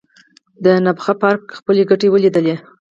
د نخبه پاړکي خپلې ګټې ولیدلې.